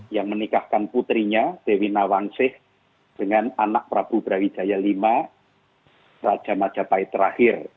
yang menikahkan putrinya dewi nawangsih dengan anak prabu brawijaya v raja majapahit terakhir